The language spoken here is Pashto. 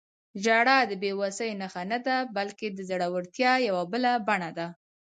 • ژړا د بې وسۍ نښه نه ده، بلکې د زړورتیا یوه بله بڼه ده.